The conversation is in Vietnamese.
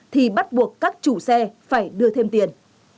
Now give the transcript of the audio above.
thì bắt buộc các chủ xe phải đưa thêm tiền